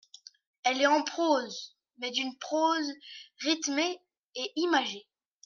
Elle est en prose, mais d'une prose rythmée et imagée.